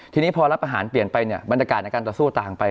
ทีนี้พอรับอาหารเปลี่ยนไปเนี่ยบรรยากาศในการต่อสู้ต่างไป